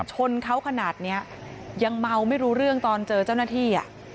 ชนเขาขนาดนี้ยังเมาไม่รู้เรื่องตอนเจอเจ้าหน้าที่